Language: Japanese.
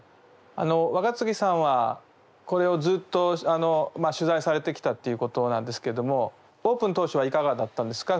若槻さんはこれをずっと取材されてきたっていうことなんですけどもオープン当初はいかがだったんですか？